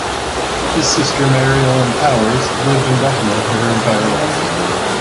His sister, Mary Ellen Powers, lived in Buffalo for her entire life.